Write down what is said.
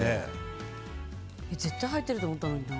絶対入ってると思った。